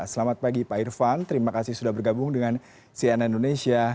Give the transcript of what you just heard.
selamat pagi pak irvan terima kasih sudah bergabung dengan cn indonesia